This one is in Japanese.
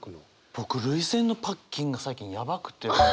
僕涙腺のパッキンが最近やばくて。